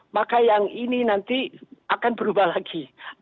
maka yang ini nanti akan berubah lagi